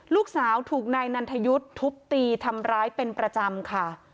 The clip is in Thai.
ลูกสาวถูกนายนันทยุทธ์ทุบตีทำร้ายเป็นประจำค่ะ